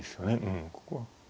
うんここは。